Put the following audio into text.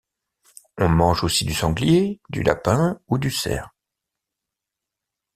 On mange aussi du sanglier, du lapin ou du cerf.